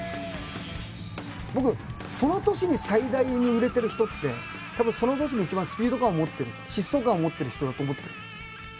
僕その年に最大に売れてる人ってたぶんその年に一番スピード感を持ってる疾走感を持ってる人だと思ってるんですよ。